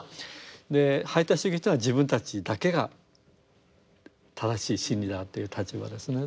排他主義というのは自分たちだけが正しい真理だという立場ですね。